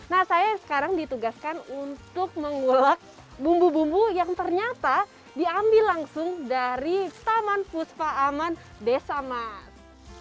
nah saya sekarang ditugaskan untuk mengulak bumbu bumbu yang ternyata diambil langsung dari taman fuspa aman desa mas